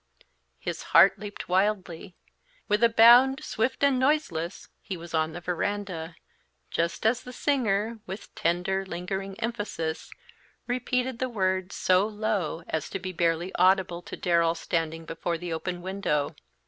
His heart leaped wildly. With a bound, swift and noiseless, he was on the veranda, just as the singer, with tender, lingering emphasis, repeated the words so low as to be barely audible to Darrell standing before the open window.